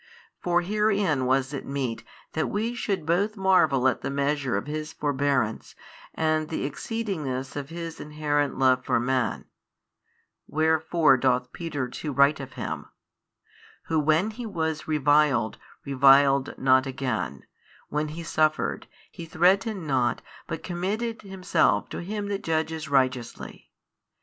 For herein was it meet that we should both marvel at the measure of His Forbearance and the exceedingness of His inherent Love for man: wherefore doth Peter too write of Him, Who when He was reviled, reviled not again, when He suffered, He threatened not but committed Himself to Him That judgeth righteously.